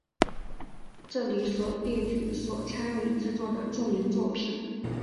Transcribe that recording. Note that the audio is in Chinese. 这里列举所参与制作的著名作品。